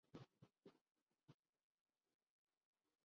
لوگوں کا دیکھنے کا زاویہ اور ڈھنگ بدل رہا ہے